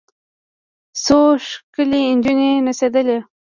څو ښکلې نجونې نڅېدلې.